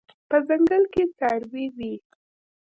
په ځنګل کې څاروي وي